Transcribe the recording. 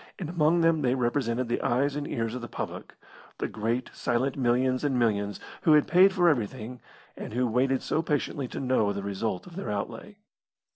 And among them they represented the eyes and ears of the public the great silent millions and millions who had paid for everything, and who waited so patiently to know the result of their outlay.